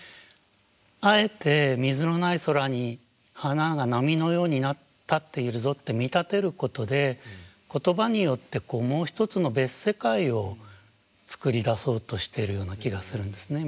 あえて水のない空に花が波のように立っているぞって見立てることで言葉によってもう一つの別世界を作り出そうとしてるような気がするんですね。